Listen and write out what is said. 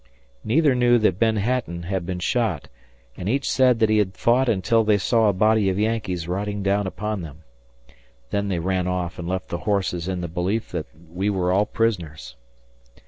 Neither knew that Ben Hatton had been shot, and each said that he had fought until they saw a body of Yankees riding down upon them. Then they ran off and left the horses in the belief that we were all prisoners.